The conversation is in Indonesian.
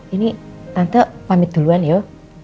ini tante pamit duluan ya